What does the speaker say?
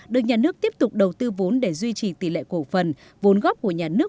được nhà nước tiếp tục đầu tư vốn để duy trì tỷ lệ cổ phần vốn góp của nhà nước